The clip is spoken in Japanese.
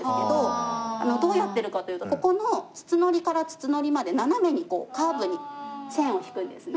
どうやってるかというとここの筒糊から筒糊まで斜めにカーブに線を引くんですね。